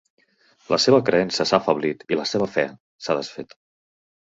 La seva creença s'ha afeblit i la seva fe s'ha desfet.